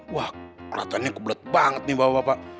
wah peratannya kebelet banget nih bawa bapak